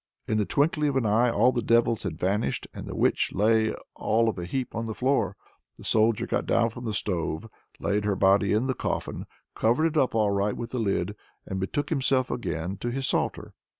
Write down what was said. In the twinkling of an eye all the devils had vanished, and the witch lay all of a heap on the floor. The Soldier got down from the stove, laid her body in the coffin, covered it up all right with the lid, and betook himself again to his psalter.